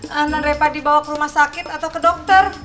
tante reva dibawa ke rumah sakit atau ke dokter